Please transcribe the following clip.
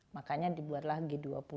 makanya dibuatlah g dua puluh